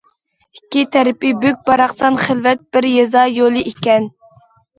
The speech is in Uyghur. ئىككى تەرىپى بۆك- باراقسان خىلۋەت بىر يېزا يولى ئىكەن.